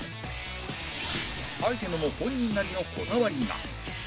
アイテムも本人なりのこだわりが